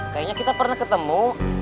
kayaknya kita pernah ketemu